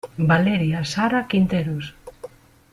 Valeria Sara Quinteros.